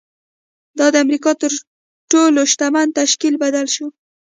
دا د امریکا تر تر ټولو شتمن تشکیل بدل شو